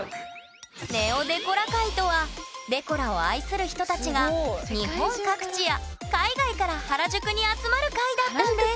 ＮＥＯデコラ会とはデコラを愛する人たちが日本各地や海外から原宿に集まる会だったんです